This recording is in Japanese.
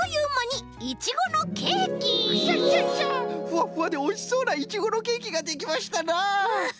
ふわふわでおいしそうなイチゴのケーキができましたな！